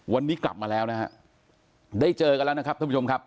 วันนี้กลับมาแล้วนะฮะได้เจอกันแล้วนะครับท่านผู้ชมครับ